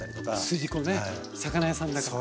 筋子ね魚屋さんだから。